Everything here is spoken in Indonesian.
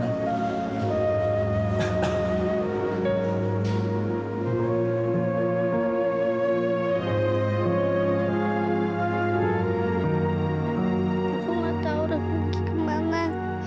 aku gak tahu udah pergi kemana